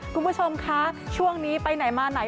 คุณผู้ชมคะช่วงนี้ไปไหนมาไหน